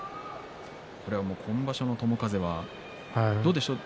今場所の友風はどうですか。